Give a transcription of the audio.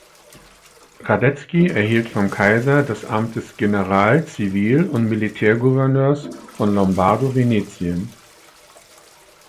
Radetzky erhielt vom Kaiser das Amt des General-, Zivil- und Militärgouverneurs von Lombardo-Venetien.